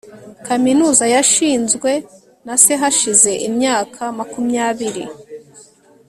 kaminuza yashinzwe na se hashize imyaka makumyabiri